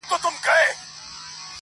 • خپل پر ټولو فیصلو دستي پښېمان سو,